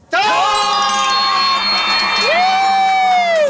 ชอบ